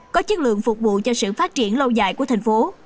có chất lượng phục vụ cho sự phát triển lâu dài của thành phố